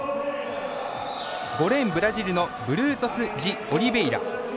５レーン、ブラジルのブルートスジオリベイラ。